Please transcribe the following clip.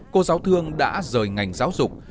cô giáo thương đã rời ngành giáo dục